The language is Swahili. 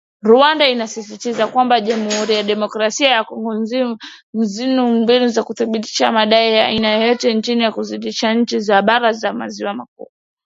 Rwanda inasisitizwa kwamba jamuhuri ya kidemokrasia ya Kongo nzina mbinu za kuthibitisha madai ya aina yoyote chini ya ushirika wa nchi za bara za maziwa makuu